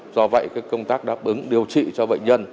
do vậy công tác đáp ứng điều trị cho bệnh nhân